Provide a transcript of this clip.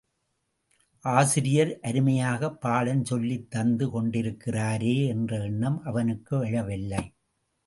ஆசிரியர் அருமையாகப் பாடம் சொல்லித் தந்து கொண்டிருக்கிறாரே என்ற எண்ணம் அவனுக்கு எழவில்லை.